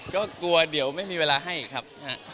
ก็กลัวเดี๋ยวไม่มีเวลาให้อีกครับ